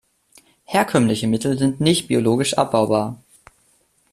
Herkömmliche Mittel sind nicht biologisch abbaubar.